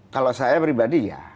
kalau saya pribadi ya